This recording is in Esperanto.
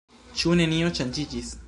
Ĉu nenio ŝanĝiĝis?